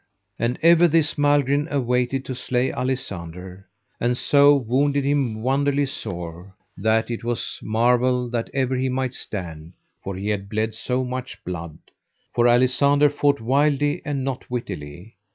And ever this Malgrin awaited to slay Alisander, and so wounded him wonderly sore, that it was marvel that ever he might stand, for he had bled so much blood; for Alisander fought wildly, and not wittily.